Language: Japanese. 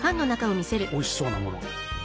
おいしそうなものが。